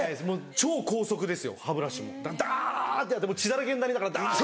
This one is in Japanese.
超高速ですよ歯ブラシもだからダってやって血だらけになりながらダって。